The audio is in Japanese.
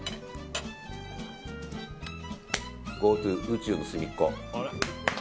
Ｇｏｔｏ宇宙の隅っこ。